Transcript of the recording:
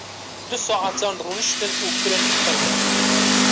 Du saetan rûniştin û kirin pistepit.